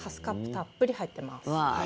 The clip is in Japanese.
たっぷり入っています。